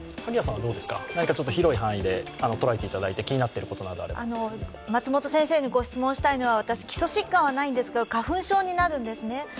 何か広い範囲でとらえていただいて、気になっていることがあれば松本先生にご質問したいのは基礎疾患はないんですけれども、花粉症になるんですね。